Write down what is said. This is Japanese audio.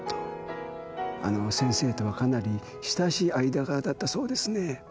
あのー先生とはかなり親しい間柄だったそうですね？